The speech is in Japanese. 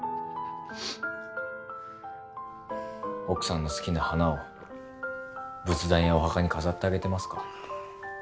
奥さんの好きな花を仏壇やお墓に飾ってあげてますか？